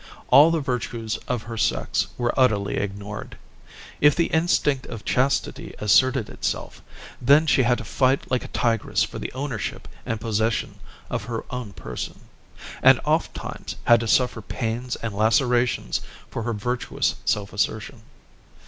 All the virtues of her sex were utterly ignored. If the instinct of chastity asserted itself, then she had to fight like a tigress for the ownership and possession of her own person; and, ofttimes, had to suffer pains and lacerations for her virtuous self assertion.